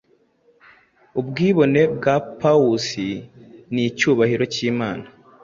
Ubwibone bwa pawusi nicyubahiro cyImana.